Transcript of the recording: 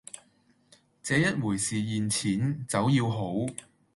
這一回是現錢，酒要好